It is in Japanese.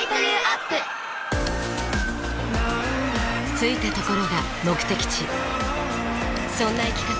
着いたところが目的地そんな生き方